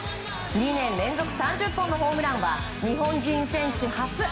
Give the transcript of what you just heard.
２年連続３０本のホームランは日本人選手初。